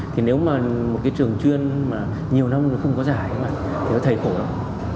nhưng mà một cái trường chuyên mà nhiều năm rồi không có giải thế là thầy khổ lắm